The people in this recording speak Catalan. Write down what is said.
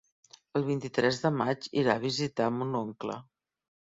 El vint-i-tres de maig irà a visitar mon oncle.